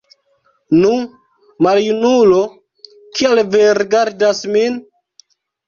Nu, maljunulo, kial vi rigardas min?